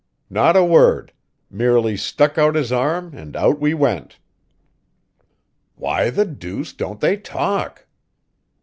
"Not a word; merely stuck out his arm and out we went." "Why the deuce don't they talk?"